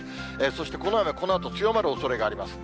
そしてこの雨、このあと強まるおそれがあります。